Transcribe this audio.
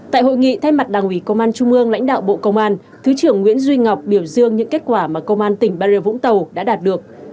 tại hội nghị thay mặt đảng ủy công an trung ương lãnh đạo bộ công an thứ trưởng nguyễn duy ngọc biểu dương những kết quả mà công an tỉnh bà rịa vũng tàu đã đạt được